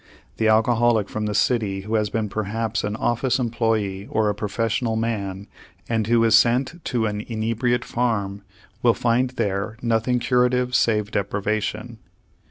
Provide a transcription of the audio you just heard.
The alcoholic from the city who has been perhaps an office employee or a professional man and who is sent to an inebriate farm will find there nothing curative save deprivation.